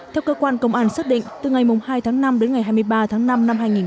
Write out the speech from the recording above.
theo cơ quan công an xác định từ ngày hai tháng năm đến ngày hai mươi ba tháng năm năm hai nghìn hai mươi ba